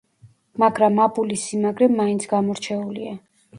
მაგრამ აბულის სიმაგრე მაინც გამორჩეულია.